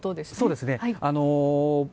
そうですね。